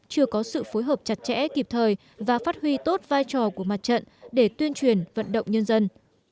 chưa có sự phối hợp chặt chẽ kịp thời và phát huy tốt vai trò của mặt trận để tuyên truyền vận động nhân dân